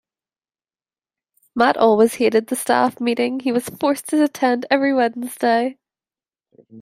Matt always hated the staff meeting he was forced to attend every Wednesday